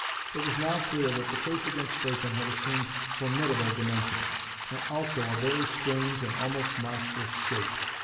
It was now clear that the case against Bacon had assumed formidable dimensions, and also a very strange, and almost monstrous shape.